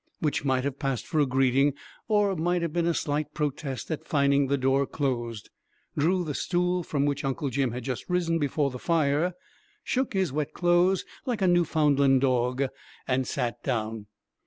which might have passed for a greeting, or might have been a slight protest at finding the door closed, drew the stool from which Uncle Jim had just risen before the fire, shook his wet clothes like a Newfoundland dog, and sat down.